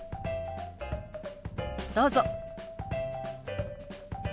どうぞ。